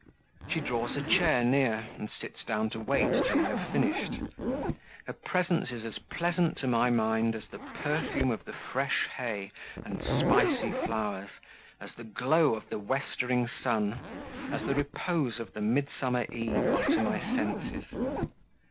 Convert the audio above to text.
She draws a chair near, and sits down to wait till I have finished; her presence is as pleasant to my mind as the perfume of the fresh hay and spicy flowers, as the glow of the westering sun, as the repose of the midsummer eve are to my senses.